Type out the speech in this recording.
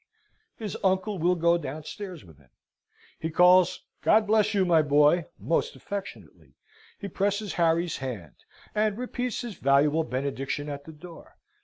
His uncle will go downstairs with him. He calls "God bless you, my boy!" most affectionately: he presses Harry's hand, and repeats his valuable benediction at the door.